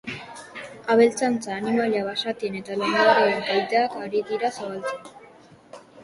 Abeltzaintza animalia basatien eta landareen kaltean ari da zabaltzen.